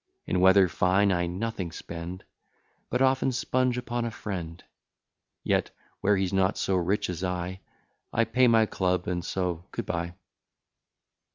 In weather fine I nothing spend, But often spunge upon a friend; Yet, where he's not so rich as I, I pay my club, and so good b'ye.